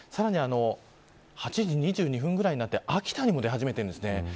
８時２２分ぐらいになって秋田にも出て始めています。